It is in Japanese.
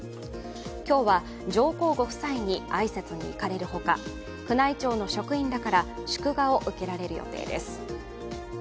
今日は上皇ご夫妻に挨拶に行かれるほか、宮内庁の職員らから祝賀を受けられる予定です。